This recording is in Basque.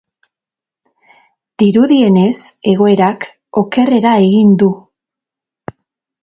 Dirudienez, egoerak okerrera egin du.